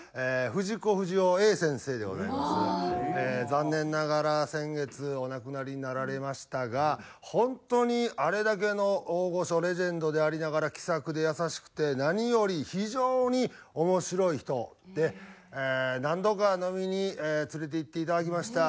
残念ながら先月お亡くなりになられましたが本当にあれだけの大御所レジェンドでありながら気さくで優しくて何より非常に面白い人。で何度か飲みに連れていっていただきました。